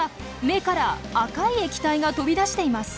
目から赤い液体が飛び出しています。